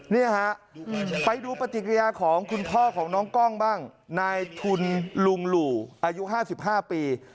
นี่ฮะไปดูปฏิกิริยาของคุณพ่อของน้องกล้องบ้างนายทุนลุงหลู่อายุ๕๕ปี